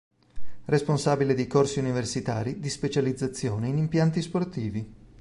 Responsabile di Corsi Universitari di specializzazione in impianti sportivi.